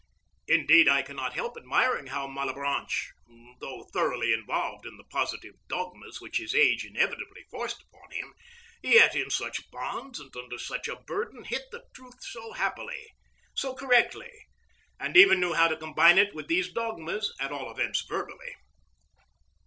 Indeed I cannot help admiring how Malebranche, though thoroughly involved in the positive dogmas which his age inevitably forced upon him, yet, in such bonds and under such a burden, hit the truth so happily, so correctly, and even knew how to combine it with these dogmas, at all events verbally.